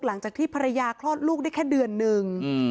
หลังจากที่ภรรยาคลอดลูกได้แค่เดือนนึง